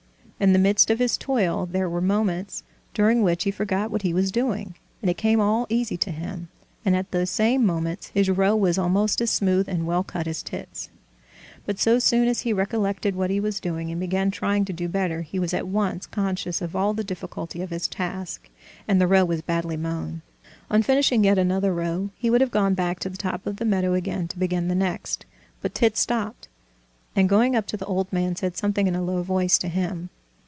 In the midst of his toil there were moments during which he forgot what he was doing, and it came all easy to him, and at those same moments his row was almost as smooth and well cut as Tit's. But so soon as he recollected what he was doing, and began trying to do better, he was at once conscious of all the difficulty of his task, and the row was badly mown. On finishing yet another row he would have gone back to the top of the meadow again to begin the next, but Tit stopped, and going up to the old man said something in a low voice to him.